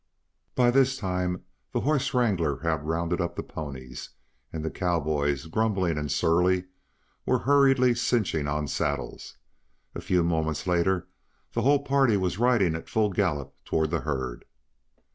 By this time the horse wrangler had rounded up the ponies, and the cowboys, grumbling and surly, were hurriedly cinching on saddles. A few moments later the whole party was riding at full gallop toward the herd.